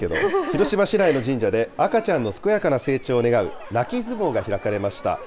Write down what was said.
広島市内の神社で、赤ちゃんの健やかな成長を願う泣き相撲が開かれました。